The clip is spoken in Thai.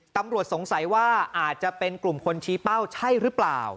ตำรวจสงสัยว่าอาจจะเป็นกลุ่มคนชี้เป้าใช่หรือเปล่า